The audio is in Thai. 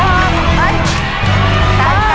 สวัสดีครับ